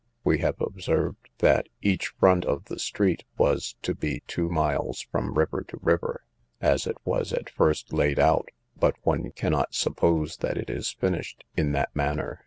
We have observed, that each front of the street was to be two miles from river to river, as it was at first laid out; but one cannot suppose that it is finished in that manner.